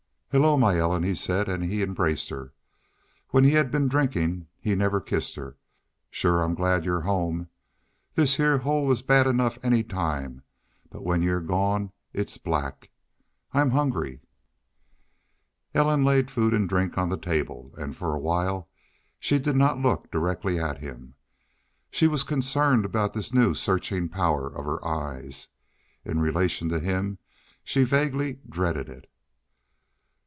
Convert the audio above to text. "Hello, my Ellen!" he said, and he embraced her. When he had been drinking he never kissed her. "Shore I'm glad you're home. This heah hole is bad enough any time, but when you're gone it's black.... I'm hungry." Ellen laid food and drink on the table; and for a little while she did not look directly at him. She was concerned about this new searching power of her eyes. In relation to him she vaguely dreaded it.